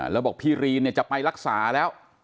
แล้วบอกพี่รีนจะไปรักษาแล้ว